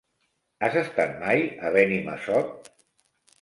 Has estat mai a Benimassot?